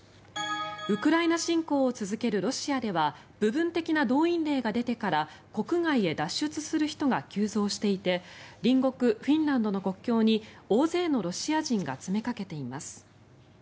ウクライナ侵攻を続けるロシアでは部分的な動員令が出てから国外へ脱出する人が急増していて隣国フィンランドの国境に大勢のロシア人が詰めかけています。